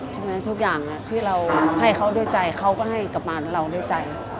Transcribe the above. ทุกอย่างที่เราให้เขาด้วยใจเขาก็ให้กลับมาแล้วเราด้วยใจ